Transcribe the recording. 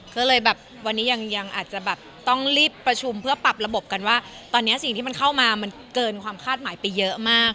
ก็เลยแบบวันนี้ยังอาจจะแบบต้องรีบประชุมเพื่อปรับระบบกันว่าตอนนี้สิ่งที่มันเข้ามามันเกินความคาดหมายไปเยอะมาก